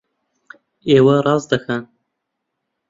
ئێوە ڕاست دەکەن!